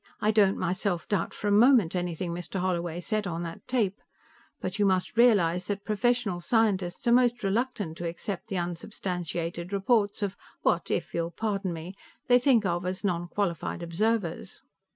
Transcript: I don't, myself, doubt for a moment anything Mr. Holloway said on that tape, but you must realize that professional scientists are most reluctant to accept the unsubstantiated reports of what, if you'll pardon me, they think of as nonqualified observers."